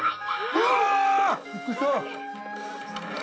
うわ！